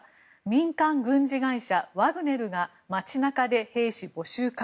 民間軍事会社ワグネルが街中で兵士募集か。